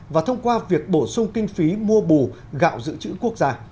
và thông qua việc bổ sung kinh phí mua bù gạo dự trữ quốc gia